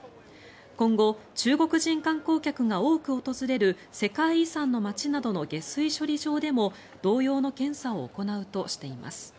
今後、中国人観光客が多く訪れる世界遺産の街などの下水処理場でも同様の検査を行うとしています。